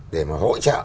để mà hỗ trợ